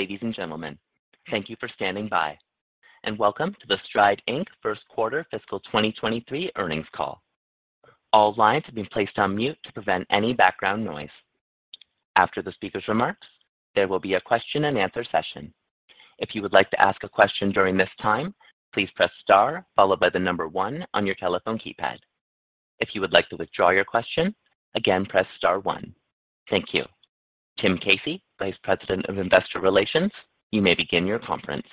Ladies and gentlemen, thank you for standing by, and welcome to the Stride, Inc First Quarter Fiscal 2023 Earnings Call. All lines have been placed on mute to prevent any background noise. After the speaker's remarks, there will be a question and answer session. If you would like to ask a question during this time, please press star followed by the number one on your telephone keypad. If you would like to withdraw your question, again, press star one. Thank you. Tim Casey, Vice President of Investor Relations, you may begin your conference.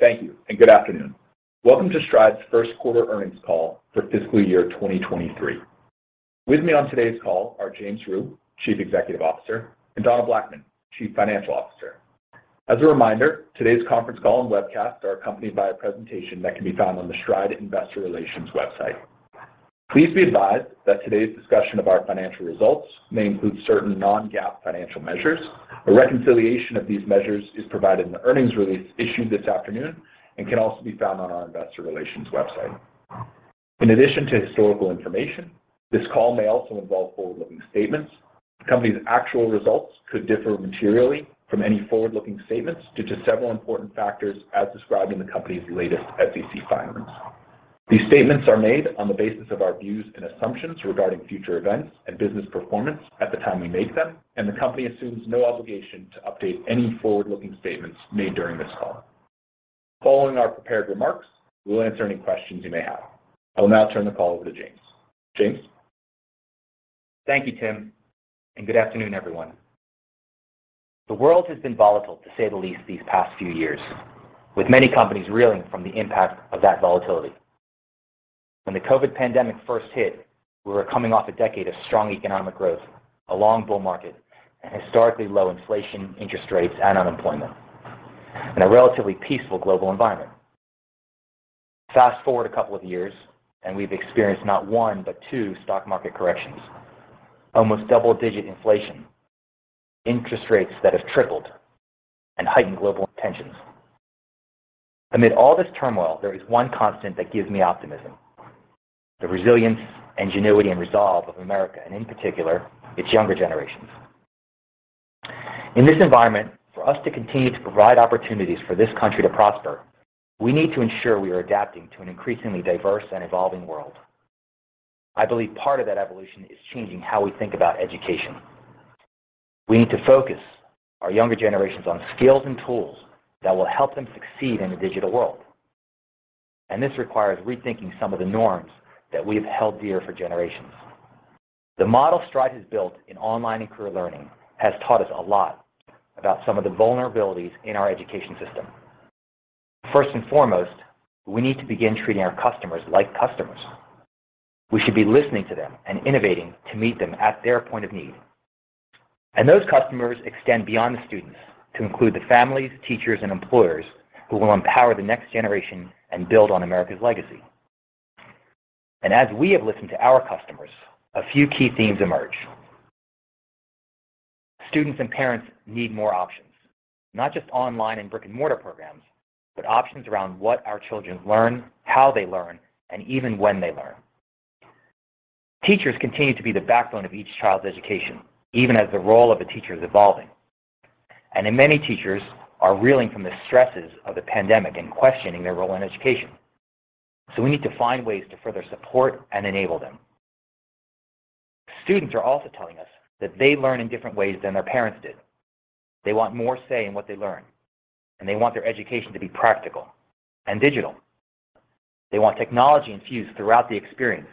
Thank you and good afternoon. Welcome to Stride's first quarter earnings call for fiscal year 2023. With me on today's call are James Rhyu, Chief Executive Officer, and Donna Blackman, Chief Financial Officer. As a reminder, today's conference call and webcast are accompanied by a presentation that can be found on the Stride Investor Relations website. Please be advised that today's discussion of our financial results may include certain non-GAAP financial measures. A reconciliation of these measures is provided in the earnings release issued this afternoon and can also be found on our investor relations website. In addition to historical information, this call may also involve forward-looking statements. The company's actual results could differ materially from any forward-looking statements due to several important factors as described in the company's latest SEC filings. These statements are made on the basis of our views and assumptions regarding future events and business performance at the time we make them, and the company assumes no obligation to update any forward-looking statements made during this call. Following our prepared remarks, we will answer any questions you may have. I will now turn the call over to James. James. Thank you, Tim, and good afternoon, everyone. The world has been volatile, to say the least, these past few years, with many companies reeling from the impact of that volatility. When the COVID pandemic first hit, we were coming off a decade of strong economic growth, a long bull market, and historically low inflation, interest rates, and unemployment, and a relatively peaceful global environment. Fast-forward a couple of years, and we've experienced not one, but two stock market corrections, almost double-digit inflation, interest rates that have tripled, and heightened global tensions. Amid all this turmoil, there is one constant that gives me optimism, the resilience, ingenuity, and resolve of America, and in particular, its younger generations. In this environment, for us to continue to provide opportunities for this country to prosper, we need to ensure we are adapting to an increasingly diverse and evolving world. I believe part of that evolution is changing how we think about education. We need to focus our younger generations on skills and tools that will help them succeed in a digital world, and this requires rethinking some of the norms that we've held dear for generations. The model Stride has built in online and career learning has taught us a lot about some of the vulnerabilities in our education system. First and foremost, we need to begin treating our customers like customers. We should be listening to them and innovating to meet them at their point of need. Those customers extend beyond the students to include the families, teachers, and employers who will empower the next generation and build on America's legacy. As we have listened to our customers, a few key themes emerge. Students and parents need more options, not just online and brick-and-mortar programs, but options around what our children learn, how they learn, and even when they learn. Teachers continue to be the backbone of each child's education, even as the role of a teacher is evolving. Many teachers are reeling from the stresses of the pandemic and questioning their role in education, so we need to find ways to further support and enable them. Students are also telling us that they learn in different ways than their parents did. They want more say in what they learn, and they want their education to be practical and digital. They want technology infused throughout the experience,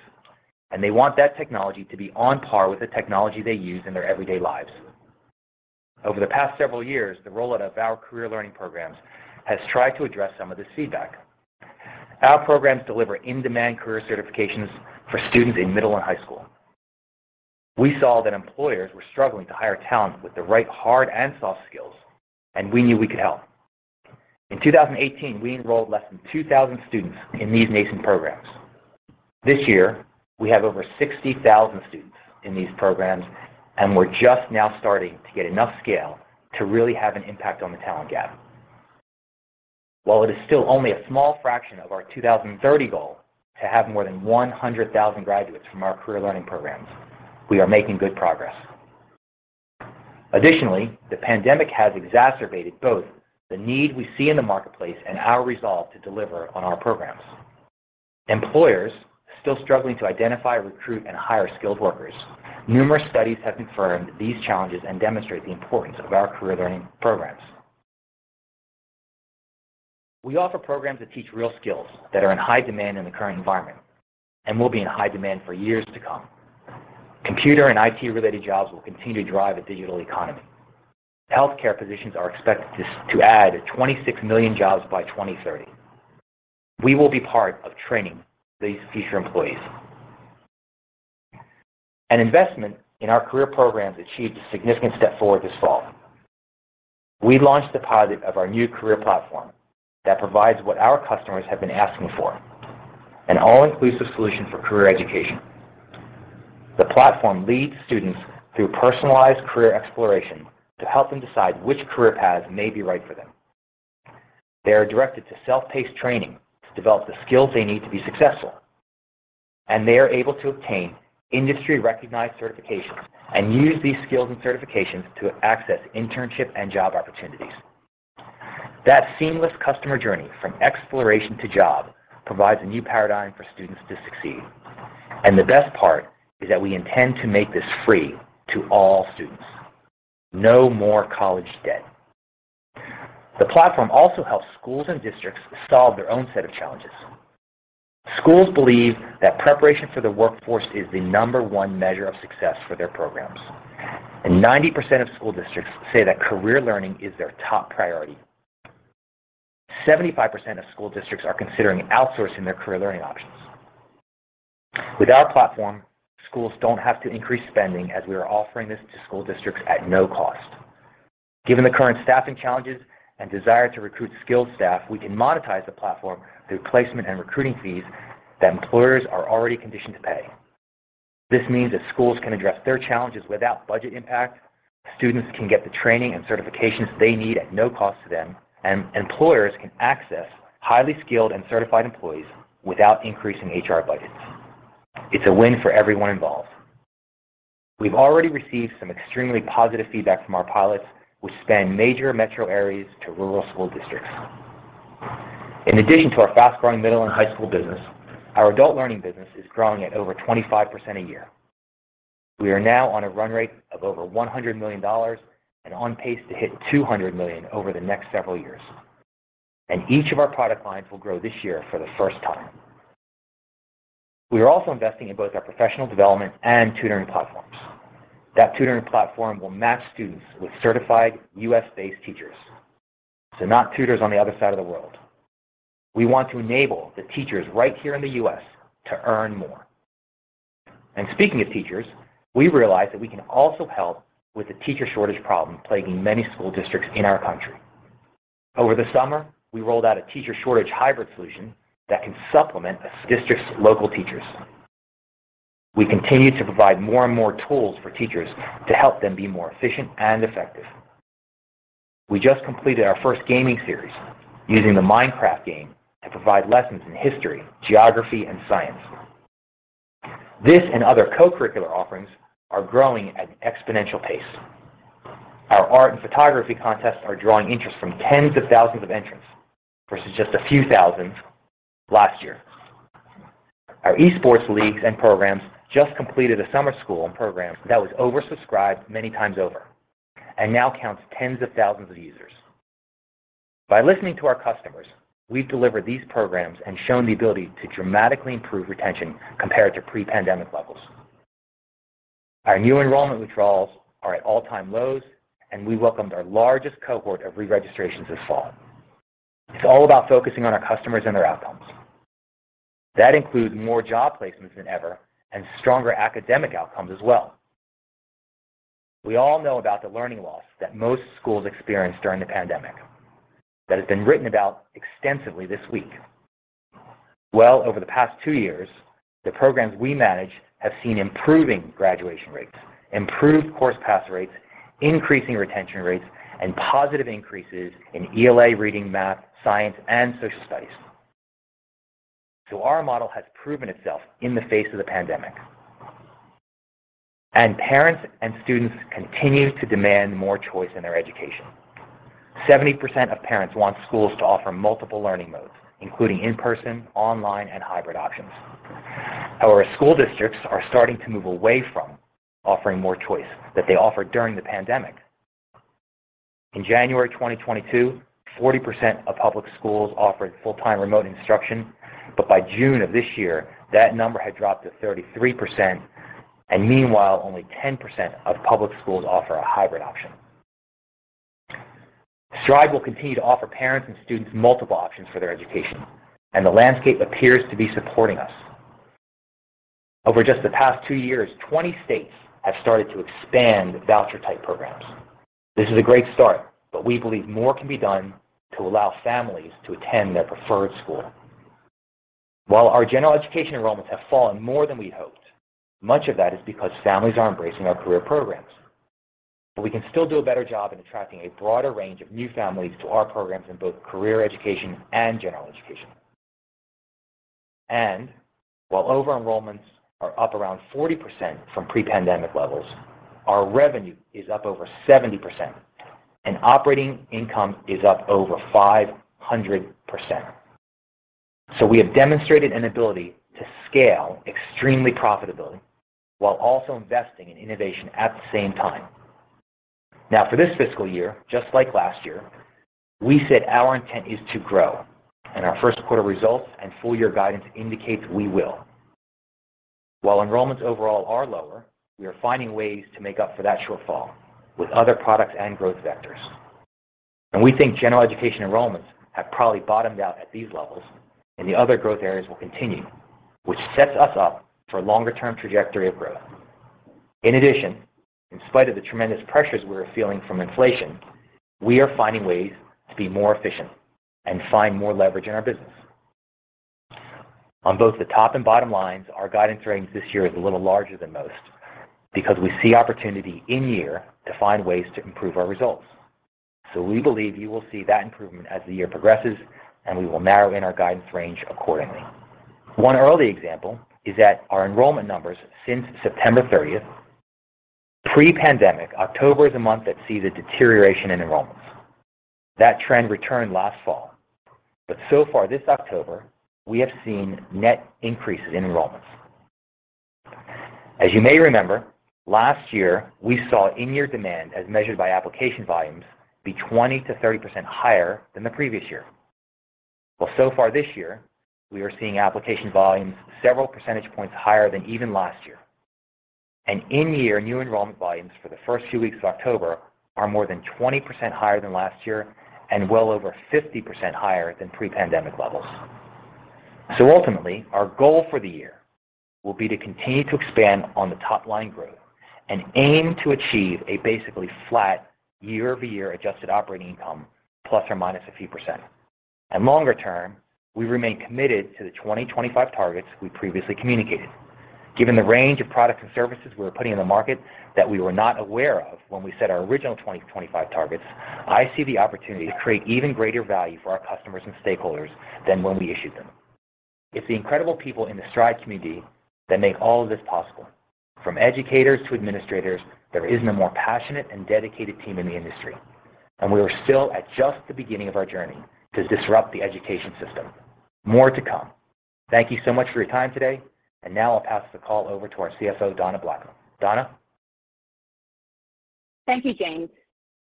and they want that technology to be on par with the technology they use in their everyday lives. Over the past several years, the rollout of our Career Learning programs has tried to address some of this feedback. Our programs deliver in-demand career certifications for students in middle and high school. We saw that employers were struggling to hire talent with the right hard and soft skills, and we knew we could help. In 2018, we enrolled less than 2,000 students in these nascent programs. This year, we have over 60,000 students in these programs, and we're just now starting to get enough scale to really have an impact on the talent gap. While it is still only a small fraction of our 2030 goal to have more than 100,000 graduates from our Career Learning programs, we are making good progress. Additionally, the pandemic has exacerbated both the need we see in the marketplace and our resolve to deliver on our programs. Employers are still struggling to identify, recruit, and hire skilled workers. Numerous studies have confirmed these challenges and demonstrate the importance of our career learning programs. We offer programs that teach real skills that are in high demand in the current environment and will be in high demand for years to come. Computer and IT-related jobs will continue to drive a digital economy. Healthcare positions are expected to add 26 million jobs by 2030. We will be part of training these future employees. An investment in our career programs achieved a significant step forward this fall. We launched the pilot of our new career platform that provides what our customers have been asking for, an all-inclusive solution for career education. The platform leads students through personalized career exploration to help them decide which career path may be right for them. They are directed to self-paced training to develop the skills they need to be successful, and they are able to obtain industry-recognized certifications and use these skills and certifications to access internship and job opportunities. That seamless customer journey from exploration to job provides a new paradigm for students to succeed. The best part is that we intend to make this free to all students. No more college debt. The platform also helps schools and districts solve their own set of challenges. Schools believe that preparation for the workforce is the number one measure of success for their programs.90% of school districts say that career learning is their top priority.75% percent of school districts are considering outsourcing their career learning options. With our platform, schools don't have to increase spending as we are offering this to school districts at no cost. Given the current staffing challenges and desire to recruit skilled staff, we can monetize the platform through placement and recruiting fees that employers are already conditioned to pay. This means that schools can address their challenges without budget impact, students can get the training and certifications they need at no cost to them, and employers can access highly skilled and certified employees without increasing HR budgets. It's a win for everyone involved. We've already received some extremely positive feedback from our pilots, which span major metro areas to rural school districts. In addition to our fast-growing middle and high school business, our adult learning business is growing at over 25% a year. We are now on a run rate of over $100 million and on pace to hit $200 million over the next several years. Each of our product lines will grow this year for the first time. We are also investing in both our professional development and tutoring platforms. That tutoring platform will match students with certified U.S.-based teachers, so not tutors on the other side of the world. We want to enable the teachers right here in the U.S. to earn more. Speaking of teachers, we realize that we can also help with the teacher shortage problem plaguing many school districts in our country. Over the summer, we rolled out a teacher shortage hybrid solution that can supplement a district's local teachers. We continue to provide more and more tools for teachers to help them be more efficient and effective. We just completed our first gaming series using the Minecraft game to provide lessons in history, geography, and science. This and other co-curricular offerings are growing at an exponential pace. Our art and photography contests are drawing interest from tens of thousands of entrants versus just a few thousand last year. Our esports leagues and programs just completed a summer school program that was oversubscribed many times over and now counts tens of thousands of users. By listening to our customers, we've delivered these programs and shown the ability to dramatically improve retention compared to pre-pandemic levels. Our new enrollment withdrawals are at all-time lows, and we welcomed our largest cohort of re-registrations this fall. It's all about focusing on our customers and their outcomes. That includes more job placements than ever and stronger academic outcomes as well. We all know about the learning loss that most schools experienced during the pandemic that has been written about extensively this week. Well, over the past two years, the programs we manage have seen improving graduation rates, improved course pass rates, increasing retention rates, and positive increases in ELA, reading, math, science, and social studies. Our model has proven itself in the face of the pandemic. Parents and students continue to demand more choice in their education. 70% of parents want schools to offer multiple learning modes, including in-person, online, and hybrid options. However, school districts are starting to move away from offering more choice that they offered during the pandemic. In January 2022, 40% of public schools offered full-time remote instruction. By June of this year, that number had dropped to 33%. Meanwhile, only 10% of public schools offer a hybrid option. Stride will continue to offer parents and students multiple options for their education, and the landscape appears to be supporting us. Over just the past two years, 20 states have started to expand voucher-type programs. This is a great start, but we believe more can be done to allow families to attend their preferred school. While our General Education enrollments have fallen more than we'd hoped, much of that is because families are embracing our career programs. But we can still do a better job in attracting a broader range of new families to our programs in both career education and General Education. While overall enrollments are up around 40% from pre-pandemic levels, our revenue is up over 70% and operating income is up over 500%. We have demonstrated an ability to scale extremely profitably while also investing in innovation at the same time. Now for this fiscal year, just like last year, we said our intent is to grow and our first quarter results and full year guidance indicates we will. While enrollments overall are lower, we are finding ways to make up for that shortfall with other products and growth vectors. We think General Education enrollments have probably bottomed out at these levels and the other growth areas will continue, which sets us up for a longer term trajectory of growth. In addition, in spite of the tremendous pressures we're feeling from inflation, we are finding ways to be more efficient and find more leverage in our business. On both the top and bottom lines, our guidance range this year is a little larger than most because we see opportunity in year to find ways to improve our results. We believe you will see that improvement as the year progresses, and we will narrow in our guidance range accordingly. One early example is that our enrollment numbers since September 30. Pre-pandemic, October is a month that sees a deterioration in enrollments. That trend returned last fall. So far this October, we have seen net increases in enrollments. As you may remember, last year, we saw in-year demand as measured by application volumes be 20%-30% higher than the previous year. Well, so far this year, we are seeing application volumes several percentage points higher than even last year. In-year new enrollment volumes for the first few weeks of October are more than 20% higher than last year and well over 50% higher than pre-pandemic levels. Ultimately, our goal for the year will be to continue to expand on the top-line growth and aim to achieve a basically flat year-over-year adjusted operating income, plus or minus a few percent. Longer term, we remain committed to the 2025 targets we previously communicated. Given the range of products and services we're putting in the market that we were not aware of when we set our original 2025 targets, I see the opportunity to create even greater value for our customers and stakeholders than when we issued them. It's the incredible people in the Stride community that make all of this possible. From educators to administrators, there isn't a more passionate and dedicated team in the industry. We are still at just the beginning of our journey to disrupt the education system. More to come. Thank you so much for your time today. Now I'll pass the call over to our CFO, Donna Blackman. Donna? Thank you, James,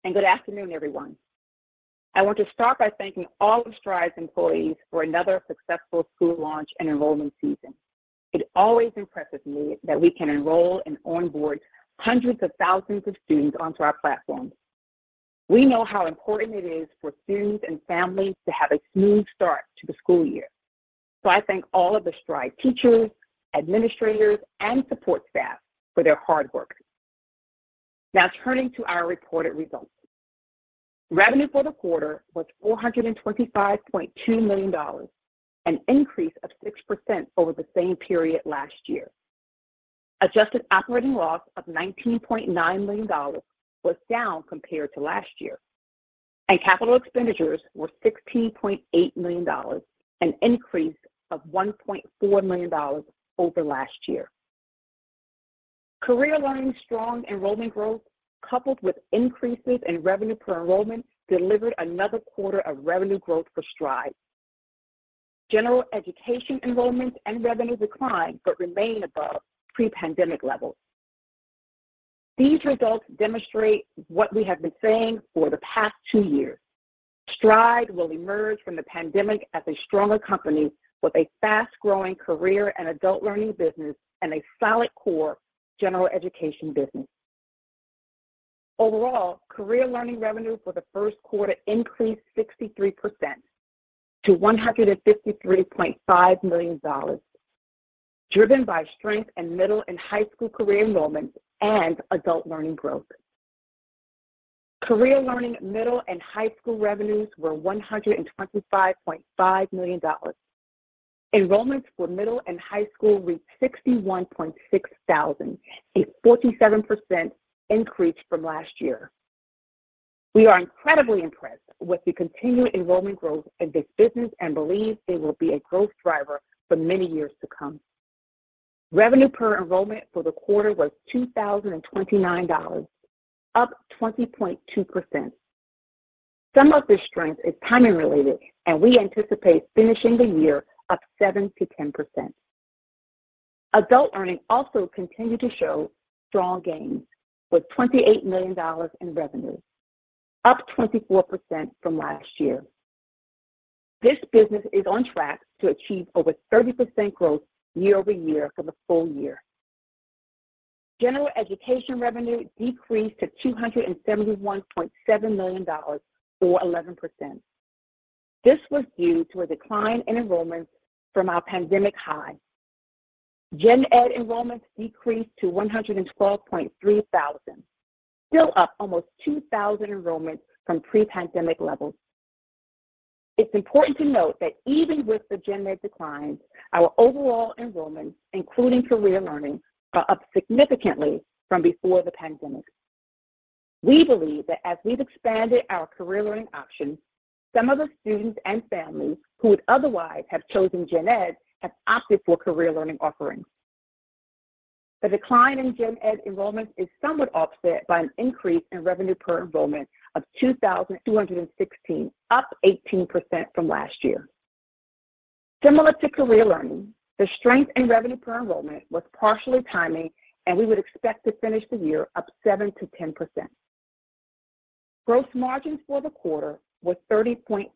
and good afternoon, everyone. I want to start by thanking all of Stride's employees for another successful school launch and enrollment season. It always impresses me that we can enroll and onboard hundreds of thousands of students onto our platforms. We know how important it is for students and families to have a smooth start to the school year. I thank all of the Stride teachers, administrators, and support staff for their hard work. Now turning to our reported results. Revenue for the quarter was $425.2 million, an increase of 6% over the same period last year. Adjusted operating loss of $19.9 million was down compared to last year. Capital expenditures were $16.8 million, an increase of $1.4 million over last year. Career Learning strong enrollment growth, coupled with increases in revenue per enrollment, delivered another quarter of revenue growth for Stride. General Education enrollments and revenue declined but remain above pre-pandemic levels. These results demonstrate what we have been saying for the past two years. Stride will emerge from the pandemic as a stronger company with a fast-growing Career Learning and Adult Learning business and a solid core General Education business. Overall, Career Learning revenue for the first quarter increased 63% to $153.5 million, driven by strength in middle and high school career enrollment and Adult Learning growth. Career Learning middle and high school revenues were $125.5 million. Enrollments for middle and high school reached 61,600, a 47% increase from last year. We are incredibly impressed with the continued enrollment growth in this business and believe it will be a growth driver for many years to come. Revenue per enrollment for the quarter was $2,029, up 20.2%. Some of this strength is timing related, and we anticipate finishing the year up 7%-10%. Adult Learning also continued to show strong gains with $28 million in revenue, up 24% from last year. This business is on track to achieve over 30% growth year-over-year for the full year. General Education revenue decreased to $271.7 million or 11%. This was due to a decline in enrollments from our pandemic high. Gen Ed enrollments decreased to 112,300 thousand, still up almost 2,000 enrollments from pre-pandemic levels. It's important to note that even with the Gen Ed declines, our overall enrollments, including career learning, are up significantly from before the pandemic. We believe that as we've expanded our career learning options, some of the students and families who would otherwise have chosen Gen Ed have opted for career learning offerings. The decline in Gen Ed enrollment is somewhat offset by an increase in revenue per enrollment of $2,216, up 18% from last year. Similar to career learning, the strength in revenue per enrollment was partially timing, and we would expect to finish the year up 7%-10%. Gross margin for the quarter was 30.5%,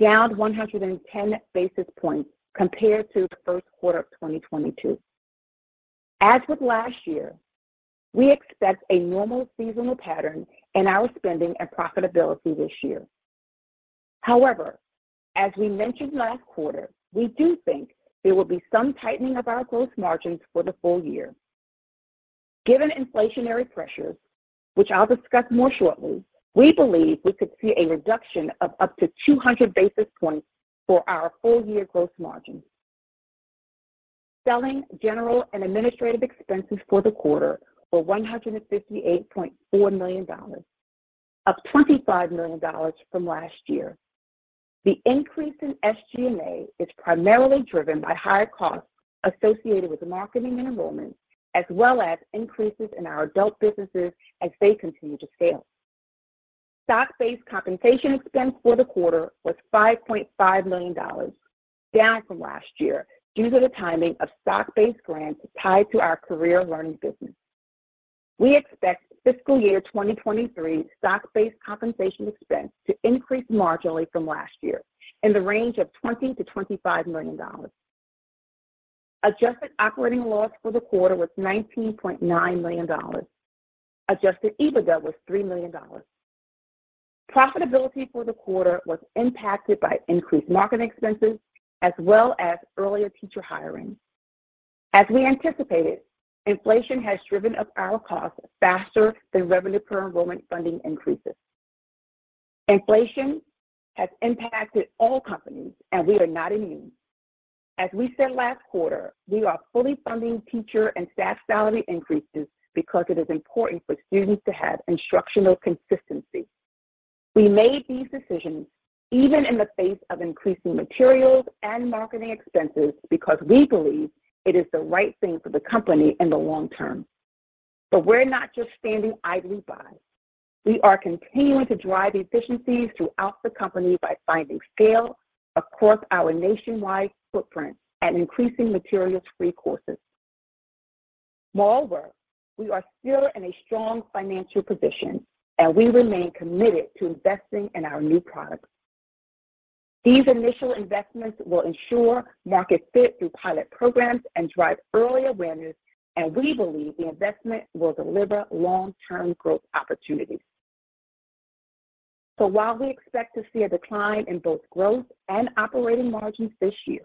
down 110 basis points compared to the first quarter of 2022. As with last year, we expect a normal seasonal pattern in our spending and profitability this year. However, as we mentioned last quarter, we do think there will be some tightening of our gross margins for the full year. Given inflationary pressures, which I'll discuss more shortly, we believe we could see a reduction of up to 200 basis points for our full year gross margin. Selling, general, and administrative expenses for the quarter were $158.4 million, up $25 million from last year. The increase in SG&A is primarily driven by higher costs associated with marketing and enrollment, as well as increases in our adult businesses as they continue to scale. Stock-based compensation expense for the quarter was $5.5 million, down from last year due to the timing of stock-based grants tied to our career learning business. We expect fiscal year 2023 stock-based compensation expense to increase marginally from last year in the range of $20 million-$25 million. Adjusted operating loss for the quarter was $19.9 million. Adjusted EBITDA was $3 million. Profitability for the quarter was impacted by increased marketing expenses as well as earlier teacher hiring. As we anticipated, inflation has driven up our costs faster than revenue per enrollment funding increases. Inflation has impacted all companies, and we are not immune. As we said last quarter, we are fully funding teacher and staff salary increases because it is important for students to have instructional consistency. We made these decisions even in the face of increasing materials and marketing expenses because we believe it is the right thing for the company in the long term. We're not just standing idly by. We are continuing to drive efficiencies throughout the company by finding scale across our nationwide footprint and increasing materials-free courses. Moreover, we are still in a strong financial position, and we remain committed to investing in our new products. These initial investments will ensure market fit through pilot programs and drive early awareness, and we believe the investment will deliver long-term growth opportunities. While we expect to see a decline in both growth and operating margins this year,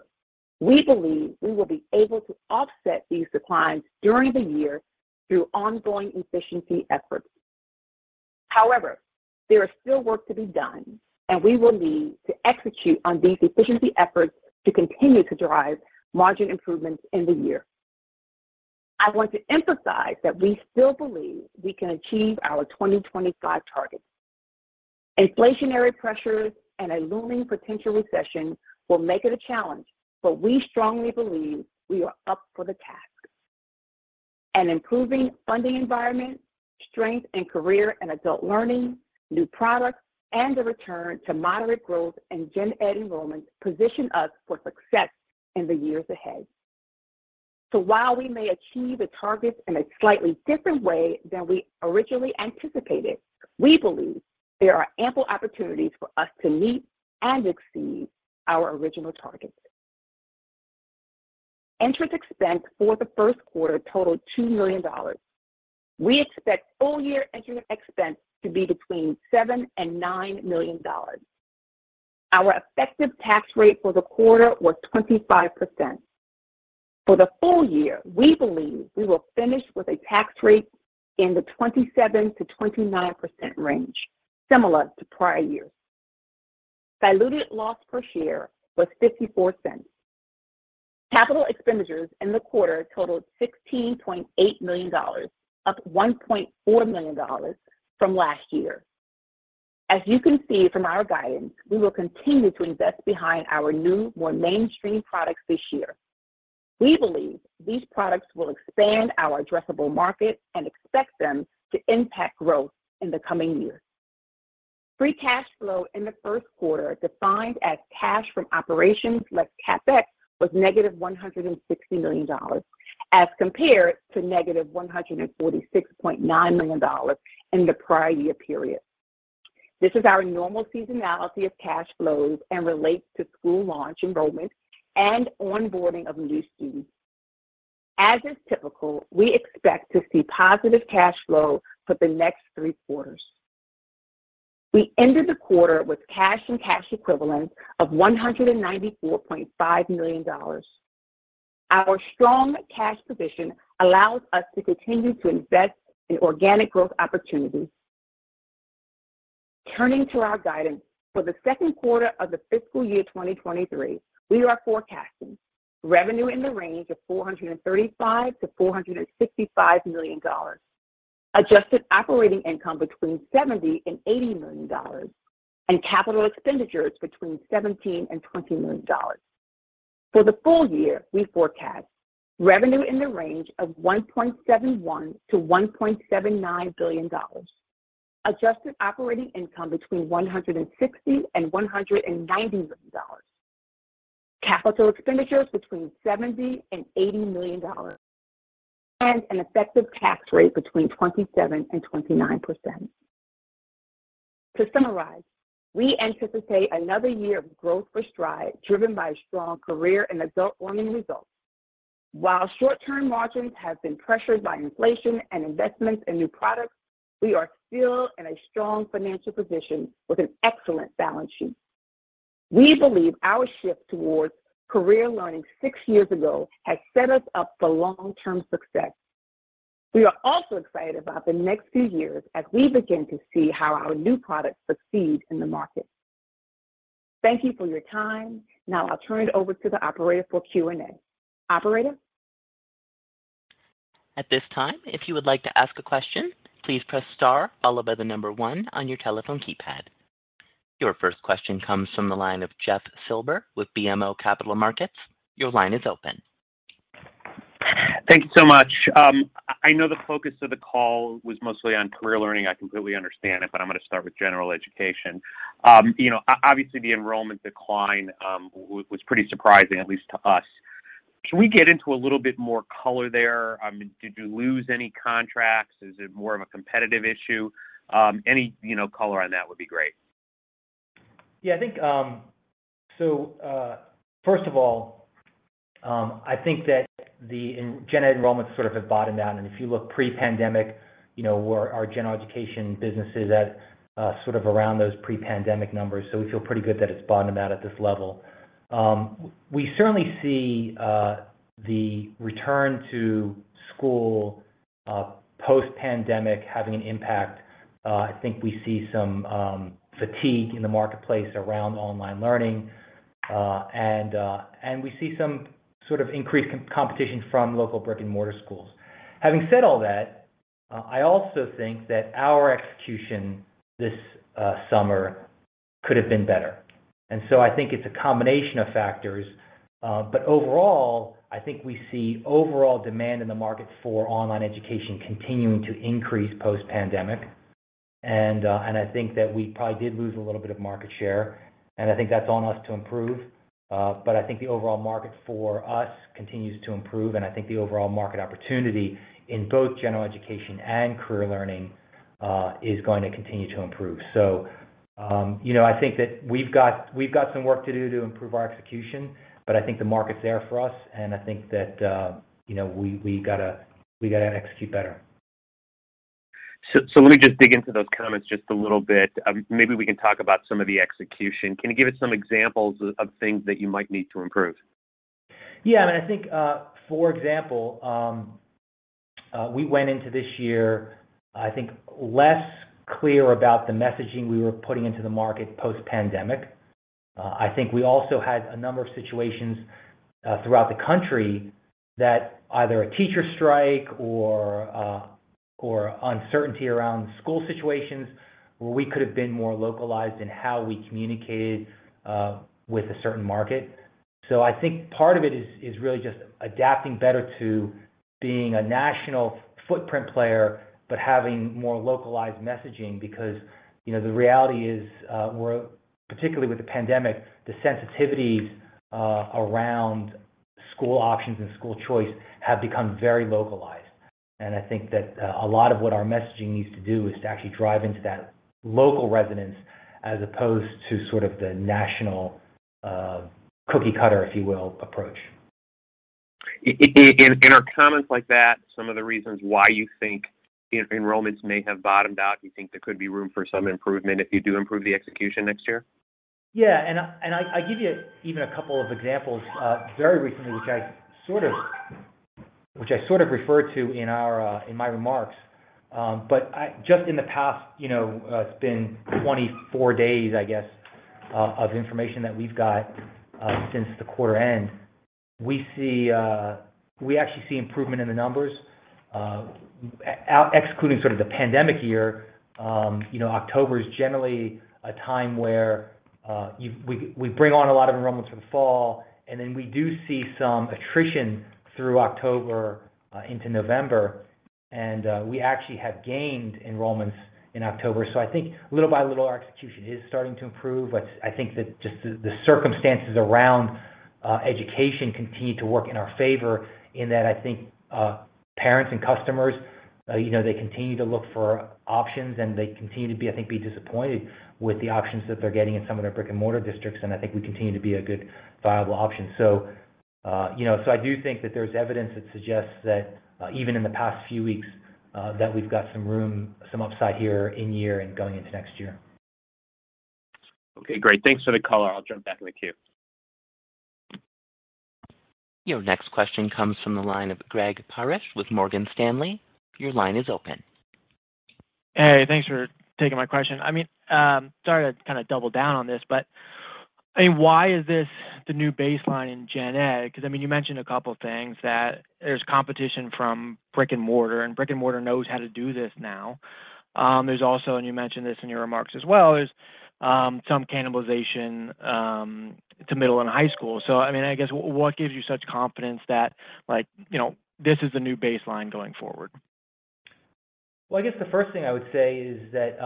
we believe we will be able to offset these declines during the year through ongoing efficiency efforts. However, there is still work to be done, and we will need to execute on these efficiency efforts to continue to drive margin improvements in the year. I want to emphasize that we still believe we can achieve our 2025 targets. Inflationary pressures and a looming potential recession will make it a challenge, but we strongly believe we are up for the task. An improving funding environment, strength in Career and Adult Learning, new products, and a return to moderate growth in Gen Ed enrollment position us for success in the years ahead. While we may achieve the targets in a slightly different way than we originally anticipated, we believe there are ample opportunities for us to meet and exceed our original targets. Interest expense for the first quarter totaled $2 million. We expect full-year interest expense to be between $7 million and $9 million. Our effective tax rate for the quarter was 25%. For the full year, we believe we will finish with a tax rate in the 27%-29% range, similar to prior years. Diluted loss per share was $0.54. Capital expenditures in the quarter totaled $16.8 million, up $1.4 million from last year. As you can see from our guidance, we will continue to invest behind our new, more mainstream products this year. We believe these products will expand our addressable market and expect them to impact growth in the coming years. Free cash flow in the first quarter, defined as cash from operations less CapEx, was -$160 million as compared to -$146.9 million in the prior year period. This is our normal seasonality of cash flows and relates to school launch enrollment and onboarding of new students. As is typical, we expect to see positive cash flow for the next three quarters. We ended the quarter with cash and cash equivalents of $194.5 million. Our strong cash position allows us to continue to invest in organic growth opportunities. Turning to our guidance, for the second quarter of the fiscal year 2023, we are forecasting revenue in the range of $435 million-$465 million, adjusted operating income between $70 million-$80 million, and capital expenditures between $17 million-$20 million. For the full year, we forecast revenue in the range of $1.71 billion-$1.79 billion, adjusted operating income between $160 million-$190 million, capital expenditures between $70 million-$80 million, and an effective tax rate between 27%-29%. To summarize, we anticipate another year of growth for Stride, driven by strong career and adult learning results. While short-term margins have been pressured by inflation and investments in new products, we are still in a strong financial position with an excellent balance sheet. We believe our shift towards career learning six years ago has set us up for long-term success. We are also excited about the next few years as we begin to see how our new products succeed in the market. Thank you for your time. Now I'll turn it over to the operator for Q&A. Operator? At this time, if you would like to ask a question, please press star followed by the number one on your telephone keypad. Your first question comes from the line of Jeff Silber with BMO Capital Markets. Your line is open. Thank you so much. I know the focus of the call was mostly on Career Learning. I completely understand it, but I'm going to start with General Education. You know, obviously the enrollment decline was pretty surprising, at least to us. Can we get into a little bit more color there? Did you lose any contracts? Is it more of a competitive issue? Any, you know, color on that would be great. Yeah, I think, first of all, I think that the Gen Ed enrollments sort of have bottomed out, and if you look pre-pandemic, you know, where our general education business is at, sort of around those pre-pandemic numbers. We feel pretty good that it's bottomed out at this level. We certainly see the return to school post-pandemic having an impact. I think we see some fatigue in the marketplace around online learning, and we see some sort of increased competition from local brick-and-mortar schools. Having said all that, I also think that our execution this summer could have been better. I think it's a combination of factors. Overall, I think we see overall demand in the markets for online education continuing to increase post-pandemic. I think that we probably did lose a little bit of market share, and I think that's on us to improve. I think the overall market for us continues to improve, and I think the overall market opportunity in both General Education and Career Learning is going to continue to improve. You know, I think that we've got some work to do to improve our execution, but I think the market's there for us, and I think that you know, we gotta execute better. let me just dig into those comments just a little bit. Maybe we can talk about some of the execution. Can you give us some examples of things that you might need to improve? Yeah, I mean, I think, for example, we went into this year, I think, less clear about the messaging we were putting into the market post-pandemic. I think we also had a number of situations throughout the country that either a teacher strike or uncertainty around school situations where we could have been more localized in how we communicated with a certain market. I think part of it is really just adapting better to being a national footprint player, but having more localized messaging because, you know, the reality is, we're particularly with the pandemic, the sensitivities around school options and school choice have become very localized. I think that, a lot of what our messaging needs to do is to actually drive into that local resonance as opposed to sort of the national, cookie cutter, if you will, approach. In your comments like that, some of the reasons why you think enrollments may have bottomed out? You think there could be room for some improvement if you do improve the execution next year? Yeah, I give you even a couple of examples very recently, which I sort of referred to in my remarks. Just in the past, you know, it's been 24 days, I guess, of information that we've got since the quarter end. We actually see improvement in the numbers. Excluding the pandemic year, you know, October is generally a time where we bring on a lot of enrollments for the fall, and then we do see some attrition through October into November. We actually have gained enrollments in October. I think little by little, our execution is starting to improve. I think that just the circumstances around education continue to work in our favor in that I think parents and customers you know they continue to look for options, and they continue to be, I think, disappointed with the options that they're getting in some of their brick-and-mortar districts, and I think we continue to be a good viable option. You know, so I do think that there's evidence that suggests that even in the past few weeks that we've got some room, some upside here in year and going into next year. Okay, great. Thanks for the color. I'll jump back in the queue. Your next question comes from the line of Greg Parrish with Morgan Stanley. Your line is open. Hey, thanks for taking my question. I mean, sorry to kind of double down on this, but I mean, why is this the new baseline in Gen Ed? Because, I mean, you mentioned a couple of things, that there's competition from brick-and-mortar, and brick-and-mortar knows how to do this now. There's also, and you mentioned this in your remarks as well, is some cannibalization to middle and high school. I mean, I guess, what gives you such confidence that, like, you know, this is the new baseline going forward? Well, I guess the first thing I would say is that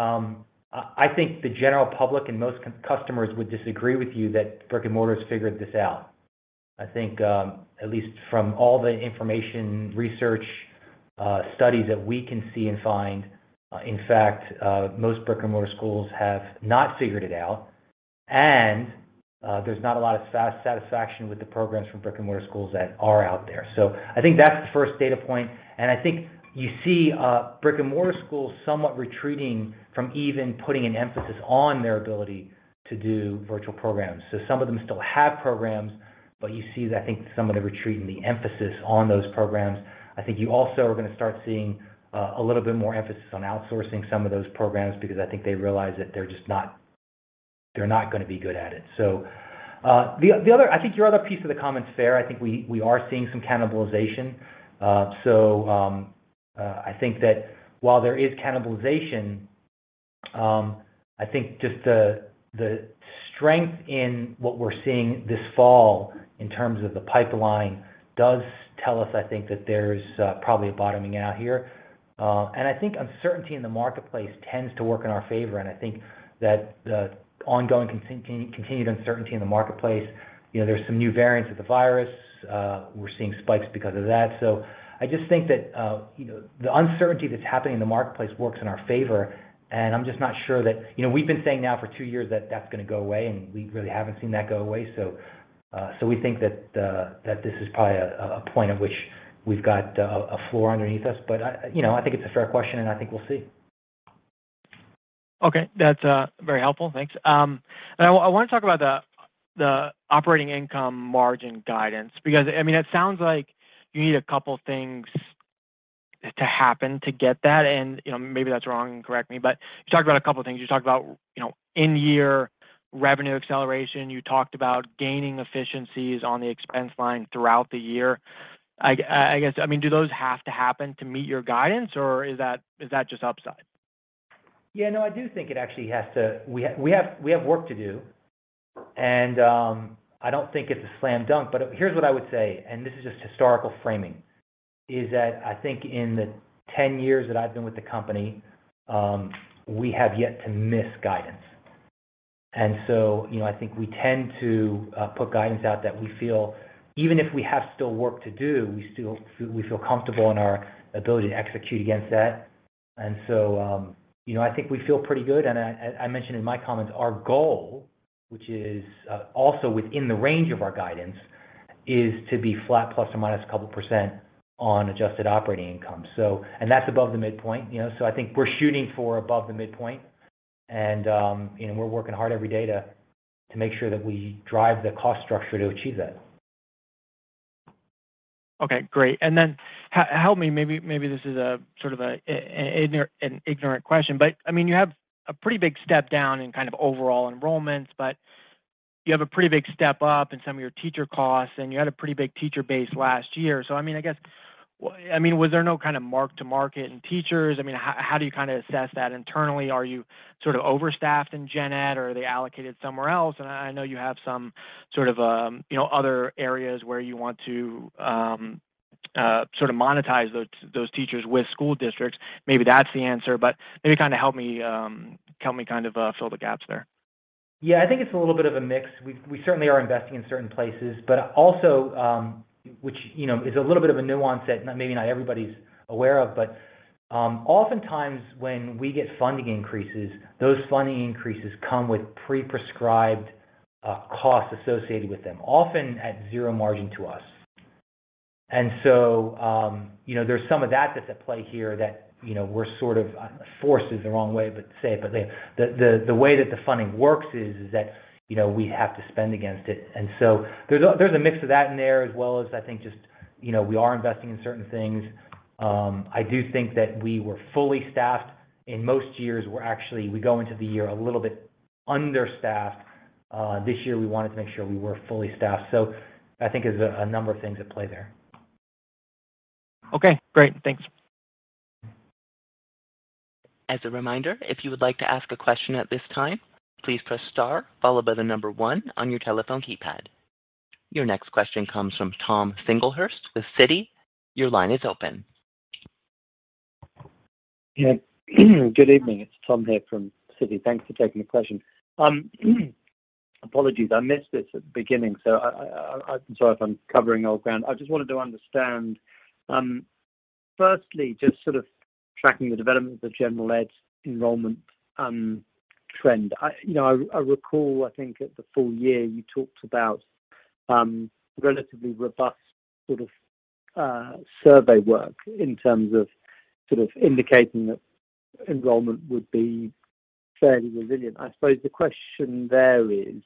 I think the general public and most customers would disagree with you that brick-and-mortar has figured this out. I think at least from all the information, research, studies that we can see and find, in fact, most brick-and-mortar schools have not figured it out. There's not a lot of satisfaction with the programs from brick-and-mortar schools that are out there. I think that's the first data point. I think you see brick-and-mortar schools somewhat retreating from even putting an emphasis on their ability to do virtual programs. Some of them still have programs, but you see, I think, some of the retreat in the emphasis on those programs. I think you also are gonna start seeing a little bit more emphasis on outsourcing some of those programs because I think they realize that they're just not gonna be good at it. I think your other piece of the comment's fair. I think we are seeing some cannibalization. I think that while there is cannibalization, I think just the strength in what we're seeing this fall in terms of the pipeline does tell us, I think, that there's probably a bottoming out here. I think uncertainty in the marketplace tends to work in our favor. I think that the ongoing continued uncertainty in the marketplace, you know, there's some new variants of the virus. We're seeing spikes because of that. I just think that, you know, the uncertainty that's happening in the marketplace works in our favor, and I'm just not sure that. You know, we've been saying now for two years that that's gonna go away, and we really haven't seen that go away. We think that this is probably a point at which we've got a floor underneath us. You know, I think it's a fair question, and I think we'll see. Okay. That's very helpful. Thanks. Now I want to talk about the operating income margin guidance because, I mean, it sounds like you need a couple things to happen to get that. You know, maybe that's wrong, and correct me, but you talked about a couple things. You talked about, you know, in-year revenue acceleration. You talked about gaining efficiencies on the expense line throughout the year. I guess, I mean, do those have to happen to meet your guidance, or is that just upside? Yeah. No, I do think it actually has to. We have work to do, and I don't think it's a slam dunk. Here's what I would say, and this is just historical framing, is that I think in the 10 years that I've been with the company, we have yet to miss guidance. You know, I think we tend to put guidance out that we feel even if we have still work to do, we still feel comfortable in our ability to execute against that. You know, I think we feel pretty good. I mentioned in my comments our goal, which is also within the range of our guidance, is to be flat plus or minus a couple percent on adjusted operating income. That's above the midpoint, you know. I think we're shooting for above the midpoint, and, you know, we're working hard every day to make sure that we drive the cost structure to achieve that. Okay, great. Then help me. Maybe this is sort of an ignorant question. I mean, you have a pretty big step down in kind of overall enrollments, but you have a pretty big step up in some of your teacher costs, and you had a pretty big teacher base last year. I mean, I guess I mean, was there no kind of mark to market in teachers? I mean, how do you kinda assess that internally? Are you sort of overstaffed in Gen Ed, or are they allocated somewhere else? I know you have some sort of you know, other areas where you want to sort of monetize those teachers with school districts. Maybe that's the answer. Maybe kinda help me help me kind of fill the gaps there. Yeah, I think it's a little bit of a mix. We certainly are investing in certain places, but also, which, you know, is a little bit of a nuance that maybe not everybody's aware of. Oftentimes when we get funding increases, those funding increases come with pre-prescribed costs associated with them, often at zero margin to us. You know, there's some of that that's at play here that the way that the funding works is that we have to spend against it. There's a mix of that in there, as well as I think just, you know, we are investing in certain things. I do think that we were fully staffed.In most years, we go into the year a little bit understaffed. This year we wanted to make sure we were fully staffed. I think there's a number of things at play there. Okay, great. Thanks. As a reminder, if you would like to ask a question at this time, please press star followed by the number one on your telephone keypad. Your next question comes from Tom Singlehurst with Citi. Your line is open. Yeah. Good evening. It's Tom here from Citi. Thanks for taking the question. Apologies, I missed this at the beginning, so I'm sorry if I'm covering old ground. I just wanted to understand, firstly, just sort of tracking the development of the General Ed enrollment trend. You know, I recall, I think at the full year, you talked about relatively robust sort of survey work in terms of sort of indicating that enrollment would be fairly resilient. I suppose the question there is,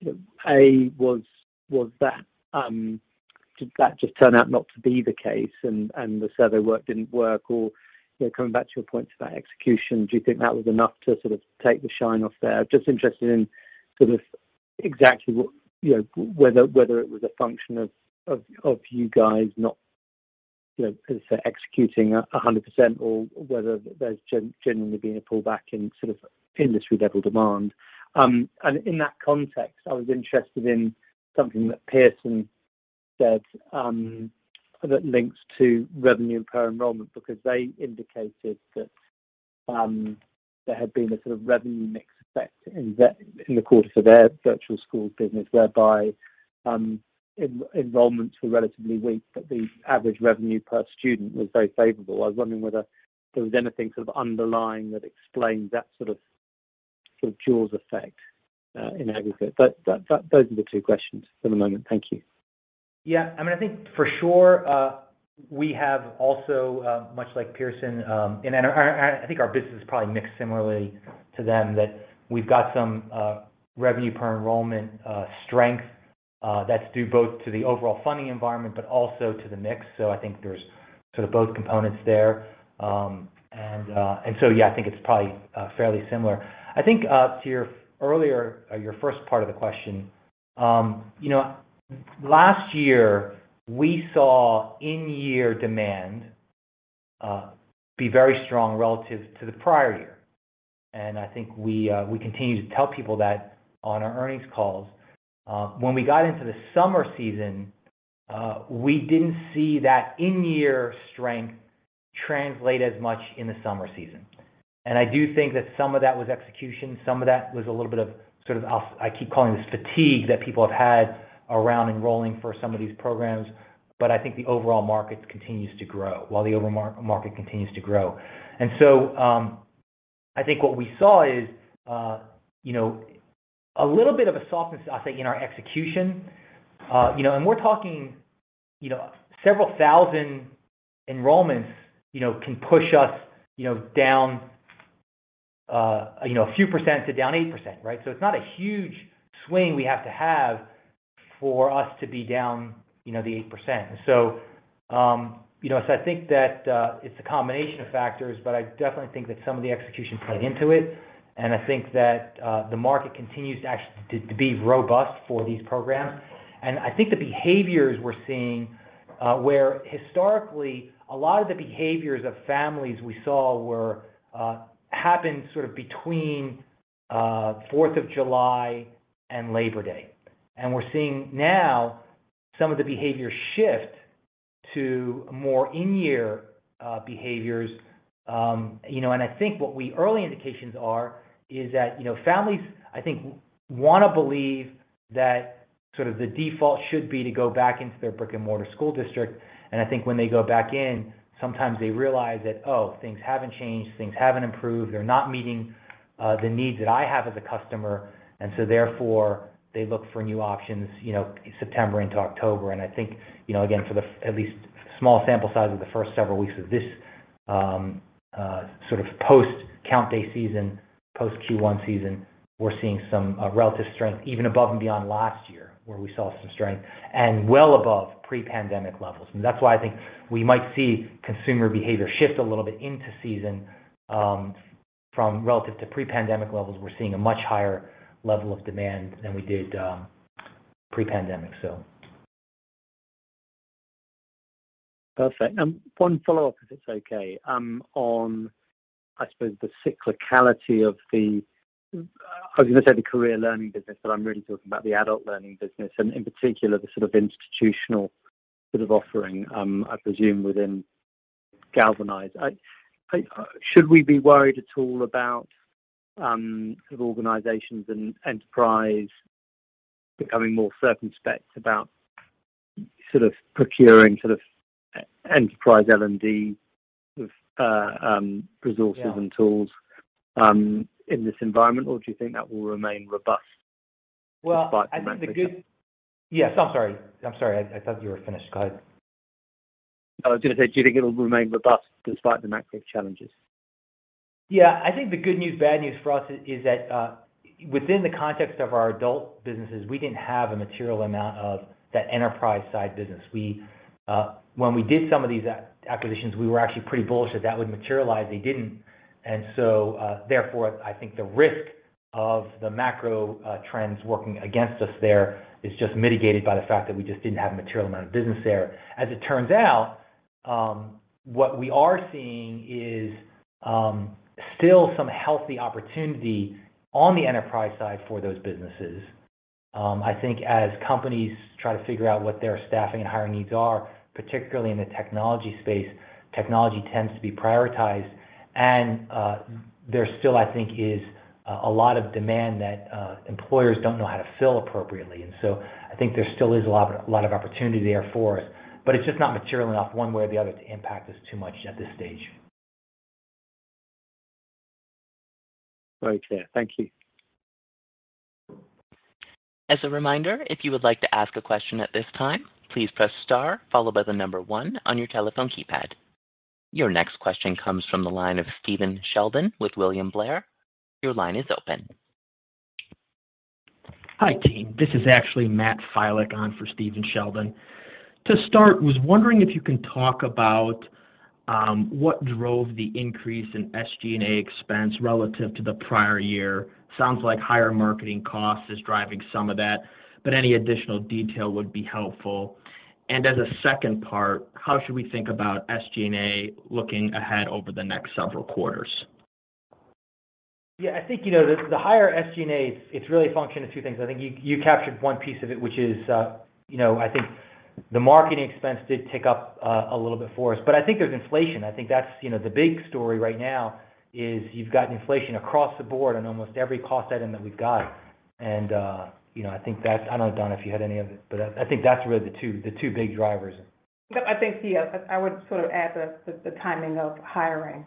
you know, A, was that did that just turn out not to be the case and the survey work didn't work? Or, you know, coming back to your point about execution, do you think that was enough to sort of take the shine off there? Just interested in sort of exactly what, you know, whether it was a function of you guys not, you know, as I say, executing 100% or whether there's generally been a pullback in sort of industry-level demand. In that context, I was interested in something that Pearson said, that links to revenue per enrollment because they indicated that there had been a sort of revenue mix effect in the course of their virtual school business whereby enrollments were relatively weak, but the average revenue per student was very favorable. I was wondering whether there was anything sort of underlying that explains that sort of jaws effect in aggregate. Those are the two questions for the moment. Thank you. Yeah, I mean, I think for sure, we have also, much like Pearson, and I think our business is probably mixed similarly to them, that we've got some revenue per enrollment strength that's due both to the overall funding environment, but also to the mix. So I think there's sort of both components there. Yeah, I think it's probably fairly similar. I think to your earlier or your first part of the question, you know, last year we saw in-year demand be very strong relative to the prior year. I think we continue to tell people that on our earnings calls. When we got into the summer season, we didn't see that in-year strength translate as much in the summer season. I do think that some of that was execution. Some of that was a little bit of sort of, I keep calling this fatigue that people have had around enrolling for some of these programs. I think the overall market continues to grow, while the overall market continues to grow. I think what we saw is, you know, a little bit of a softness, I'll say, in our execution. You know, and we're talking, you know, several thousand enrollments, you know, can push us, you know, down, you know, a few percent to down 8%, right? It's not a huge swing we have to have for us to be down, you know, the 8%. You know, I think that it's a combination of factors, but I definitely think that some of the execution played into it. I think that the market continues actually to be robust for these programs. I think the behaviors we're seeing, where historically a lot of the behaviors of families we saw happened sort of between 4th July and Labor Day. We're seeing now some of the behaviors shift to more in-year behaviors. You know, I think early indications are that families, I think, wanna believe that sort of the default should be to go back into their brick-and-mortar school district. I think when they go back in, sometimes they realize that, oh, things haven't changed, things haven't improved. They're not meeting the needs that I have as a customer. Therefore, they look for new options, you know, September into October. I think, you know, again, for the at least small sample size of the first several weeks of this sort of post count day season, post Q1 season, we're seeing some relative strength even above and beyond last year where we saw some strength and well above pre-pandemic levels. That's why I think we might see consumer behavior shift a little bit into season from relative to pre-pandemic levels. We're seeing a much higher level of demand than we did pre-pandemic, so. Perfect. One follow-up, if it's okay, on I suppose the cyclicality of the, I was gonna say the career learning business, but I'm really talking about the adult learning business and in particular the sort of institutional sort of offering, I presume within Galvanize. Should we be worried at all about sort of organizations and enterprise becoming more circumspect about sort of procuring sort of enterprise L&D resources? Yeah. tools in this environment, or do you think that will remain robust despite the macro? Yes, I'm sorry. I thought you were finished. Go ahead. I was gonna say, do you think it'll remain robust despite the macro challenges? Yeah. I think the good news, bad news for us is that, within the context of our adult businesses, we didn't have a material amount of that enterprise side business. We, when we did some of these acquisitions, we were actually pretty bullish that that would materialize. They didn't. Therefore, I think the risk of the macro, trends working against us there is just mitigated by the fact that we just didn't have a material amount of business there. As it turns out, what we are seeing is, still some healthy opportunity on the enterprise side for those businesses. I think as companies try to figure out what their staffing and hiring needs are, particularly in the technology space, technology tends to be prioritized. There still I think is a lot of demand that employers don't know how to fill appropriately. I think there still is a lot of opportunity there for us, but it's just not material enough one way or the other to impact us too much at this stage. Very clear. Thank you. As a reminder, if you would like to ask a question at this time, please press star followed by the number one on your telephone keypad. Your next question comes from the line of Stephen Sheldon with William Blair. Your line is open. Hi, team. This is actually Matt Filek on for Stephen Sheldon. To start, was wondering if you can talk about what drove the increase in SG&A expense relative to the prior year. Sounds like higher marketing costs is driving some of that, but any additional detail would be helpful. As a second part, how should we think about SG&A looking ahead over the next several quarters? Yeah, I think, you know, the higher SG&A, it's really a function of two things. I think you captured one piece of it, which is, you know, I think the marketing expense did tick up a little bit for us, but I think there's inflation. I think that's, you know, the big story right now is you've got inflation across the board on almost every cost item that we've got. You know, I think that's. I don't know, Donna, if you had any of it, but I think that's really the two big drivers. No, I think, yes, I would sort of add the timing of hiring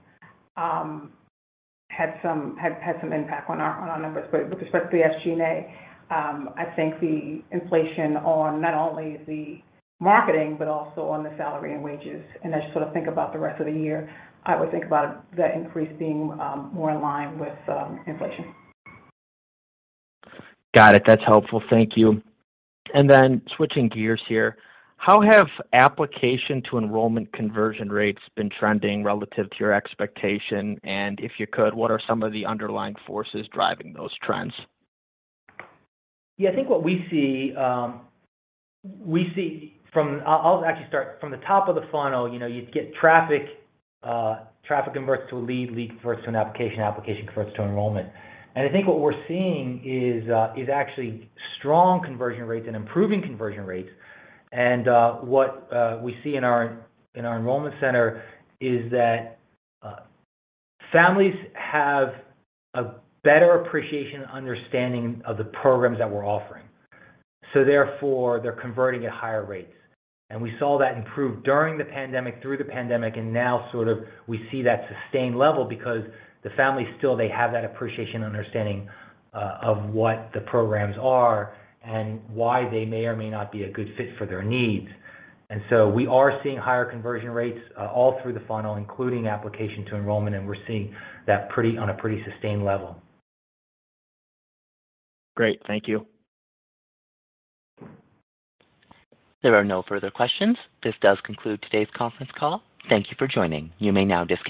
had some impact on our numbers. With respect to the SG&A, I think the inflation on not only the marketing, but also on the salary and wages. As you sort of think about the rest of the year, I would think about that increase being more in line with inflation. Got it. That's helpful. Thank you. Then switching gears here, how have application to enrollment conversion rates been trending relative to your expectation? If you could, what are some of the underlying forces driving those trends? Yeah, I think what we see. I'll actually start from the top of the funnel. You know, you'd get traffic. Traffic converts to a lead converts to an application converts to enrollment. I think what we're seeing is actually strong conversion rates and improving conversion rates. What we see in our enrollment center is that families have a better appreciation and understanding of the programs that we're offering. Therefore, they're converting at higher rates. We saw that improve during the pandemic, through the pandemic, and now we see that sustained level because the families still have that appreciation and understanding of what the programs are and why they may or may not be a good fit for their needs. We are seeing higher conversion rates all through the funnel, including application to enrollment, and we're seeing that on a pretty sustained level. Great. Thank you. There are no further questions. This does conclude today's conference call. Thank you for joining. You may now disconnect.